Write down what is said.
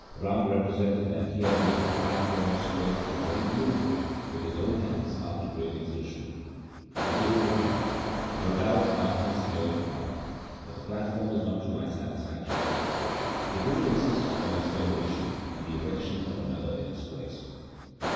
Rama represented that he had made the platform 1 Suraj Parkash, Ras II, Chapter 13. LIFE OF GURU AMAR DAS 143 straight and very beautiful with his own hands after great exertion. The Guru replied, ' No doubt thou hast laboured hard, but the platform is not to my satisfaction.' The Guru insisted on its demolition and the erection of another in its place.